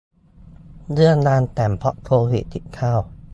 เลื่อนงานแต่ง เพราะโควิด สิบเก้า